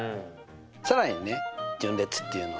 更にね順列っていうのはね